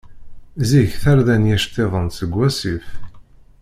Zik, tarda n yicettiḍen seg wasif.